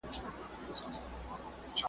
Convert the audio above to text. لوی واړه به پر سجده ورته پراته وي .